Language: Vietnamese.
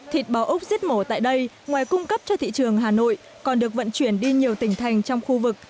thịt bò úc giết mổ tại đây ngoài cung cấp cho thị trường hà nội còn được vận chuyển đi nhiều tỉnh thành trong khu vực